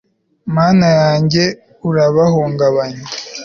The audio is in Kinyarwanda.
mana yanjye, urabahungabanye